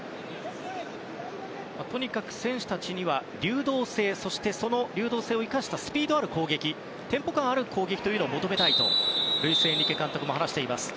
とにかく選手たちには流動性そしてその流動性を生かしたスピードある攻撃テンポ感ある攻撃というのを求めたいとルイス・エンリケ監督も話しています。